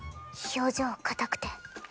表情硬くて。